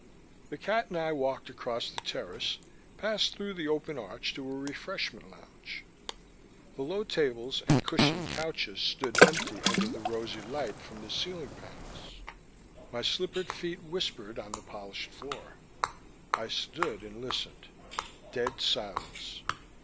The cat and I walked across the terrace, passed through the open arch to a refreshment lounge. The low tables and cushioned couches stood empty under the rosy light from the ceiling panels. My slippered feet whispered on the polished floor. I stood and listened: dead silence.